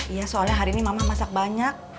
iya soalnya hari ini mama masak banyak